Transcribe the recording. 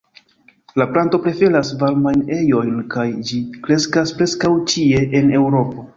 La planto preferas varmajn ejojn kaj ĝi kreskas preskaŭ ĉie en Eŭropo.